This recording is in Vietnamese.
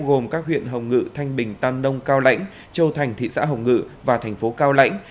gồm các huyện hồng ngự thanh bình tam nông cao lãnh châu thành thị xã hồng ngự và thành phố cao lãnh